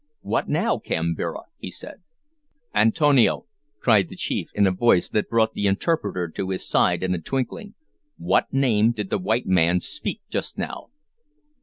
"What now, Kambira?" he said. "Antonio," cried the chief, in a voice that brought the interpreter to his side in a twinkling; "what name did the white man speak just now?"